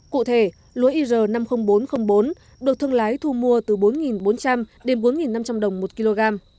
cụ thể lúa ir năm mươi nghìn bốn trăm linh bốn được thương lái thu mua từ bốn bốn trăm linh đến bốn năm trăm linh đồng một kg